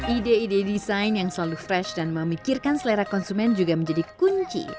ide ide desain yang selalu fresh dan memikirkan selera konsumen juga menjadi kunci